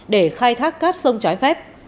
để khai thác cát sông trái phép